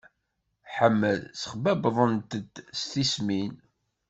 Ḥmed ssexbabḍent-t tismin.